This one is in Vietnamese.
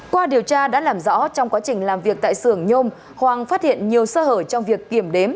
qua điều tra đã làm rõ trong quá trình làm việc tại xưởng nhôm hoàng phát hiện nhiều sơ hở trong việc kiểm đếm